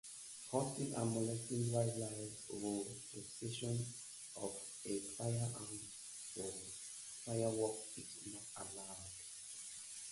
Hunting or molesting wildlife or possession of a firearm or fireworks is not allowed.